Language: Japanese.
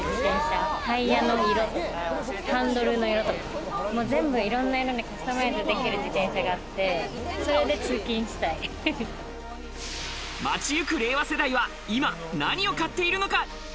タイヤの色とかハンドルの色とか、全部いろんな色にカスタマイズできる自転車があって、街ゆく令和世代は今、何を買っているのか？